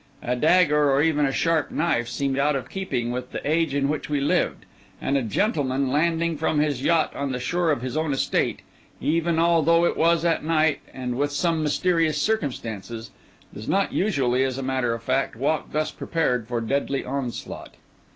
A dagger, or even a sharp knife, seemed out of keeping with the age in which we lived; and a gentleman landing from his yacht on the shore of his own estate, even although it was at night and with some mysterious circumstances, does not usually, as a matter of fact, walk thus prepared for deadly onslaught.